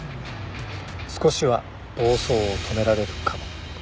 少しは暴走を止められるかも。